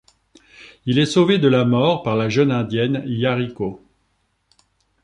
Il est sauvé de la mort par la jeune Indienne Yarico.